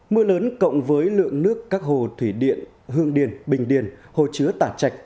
mưa lớn cộng với lượng nước các hồ thủy điện hương điền bình điền hồ chứa tả trạch